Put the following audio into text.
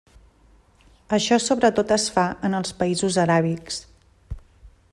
Això sobretot es fa en els països aràbics.